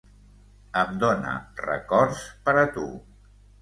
Em dóna records per a tu.